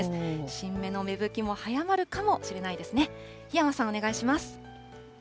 新芽の芽吹きも早まるかもしれないですね。